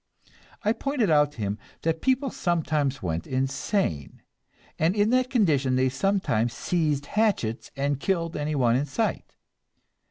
I pointed out to him that people sometimes went insane, and in that condition they sometimes seized hatchets and killed anyone in sight.